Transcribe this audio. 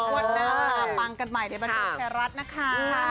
กว่าจะหาปังกันใหม่ในบันทึกไทยรัฐนะคะ